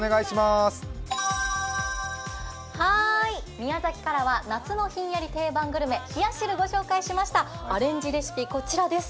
宮崎からは夏のひんやり定番グルメ冷や汁をご紹介しました、アレンジレシピ、こちらです。